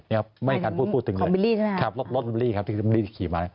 ไม่ได้การพูดถึงเลยรถบิลลี่ครับที่บิลลี่ขี่มา